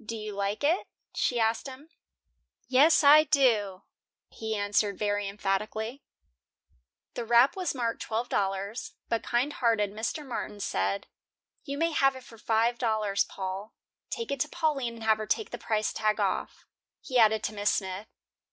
"Do you like it?" she asked him. "Yes, I do," he answered very emphatically. The wrap was marked twelve dollars, but kind hearted Mr. Martin said: "You may have it for five dollars, Paul. Take it to Pauline and have her take the price tag off," he added to Miss Smith.